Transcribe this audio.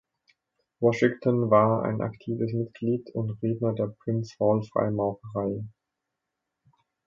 Washington war ein aktives Mitglied und Redner der Prince Hall Freimaurerei.